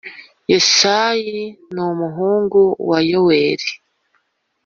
Yesayi numuhungu wa yoweli